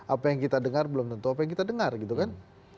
apa yang kita dengar belum tentu apa yang kita dengar gitu kan